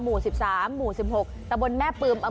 หมู๑๓๑๖ตะบ่นแม่ปืม